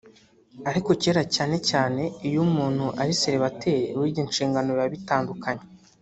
ariko kera cyane cyane iyo umuntu ari celibataire burya inshingano biba bitandukanye